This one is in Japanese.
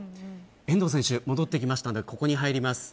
遠藤選手が戻ってきたのでここに入ります。